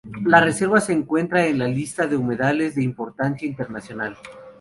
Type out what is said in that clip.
La reserva se encuentra en la lista de humedales de importancia internacional.